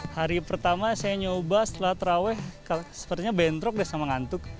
hari pertama saya nyoba setelah terawih sepertinya bentrok deh sama ngantuk